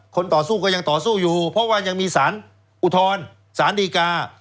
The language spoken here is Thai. ต่อสู้ก็ยังต่อสู้อยู่เพราะว่ายังมีสารอุทธรสารดีกา